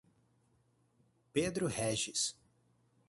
Pedro Régis